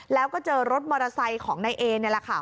แล้วก็เจอรถมอเตอร์ไซค์ของนายเอนี่แหละค่ะ